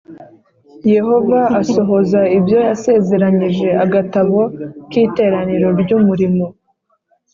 Yehova asohoza ibyo yasezeranyije agatabo k iteraniro ry umurimo